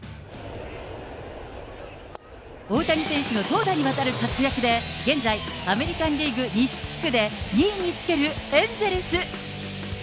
大谷選手の投打にわたる活躍で、現在、アメリカンリーグ西地区で２位につけるエンゼルス。